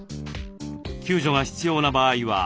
救助が必要な場合は赤。